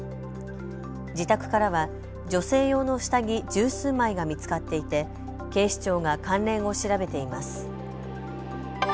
自宅からは女性用の下着十数枚が見つかっていて警視庁が関連を調べています。